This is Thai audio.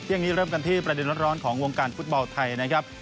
อย่างนี้เริ่มกันที่ประเด็นร้อนของวงการฟุตบอลไทยนะครับ